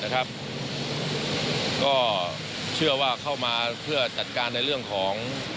ก็เชื่อว่าเข้ามาเพื่อจัดการในเรื่องของ